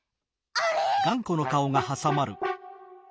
あれ？